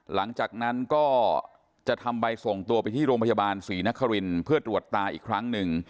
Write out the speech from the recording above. หลังจากนั้นก็จะทำใบส่งตัวไปที่โรงพยาบาลศรีนครินทร์เพื่อตรวจตาอีกครั้งหนึ่ง